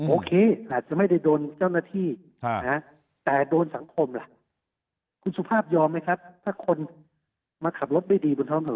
โอเคยังไม่ได้โดนเจ้าหน้าที่